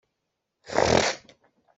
Laitlang ah phaizawng tampi an um.